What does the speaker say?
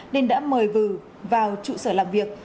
nên đã mời vừ vào trụ sở làm việc